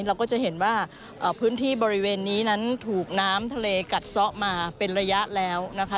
เราก็จะเห็นว่าพื้นที่บริเวณนี้นั้นถูกน้ำทะเลกัดซ้อมาเป็นระยะแล้วนะคะ